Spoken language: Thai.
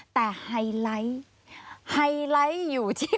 แต่ไฮไลท์ไฮไลท์อยู่ที่